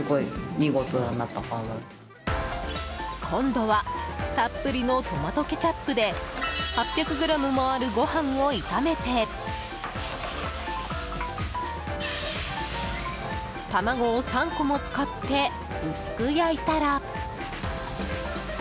今度はたっぷりのトマトケチャップで８００ｇもあるご飯を炒めて卵を３個も使って薄く焼いたら。